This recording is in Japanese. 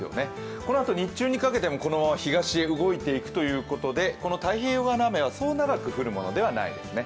このあと日中にかけても東へ動いていくということで太平洋側の雨は、そう長く降るものではありませんね。